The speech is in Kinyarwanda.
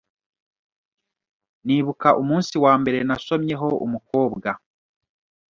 nibuka umunsi wa mbere nasomyeho umukobwa.